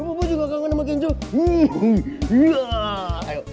papa juga kangen sama kenjo